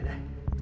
tim bangun tim